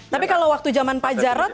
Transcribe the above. tapi kalau waktu zaman pak jarod